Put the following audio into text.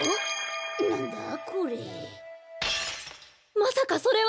まさかそれは。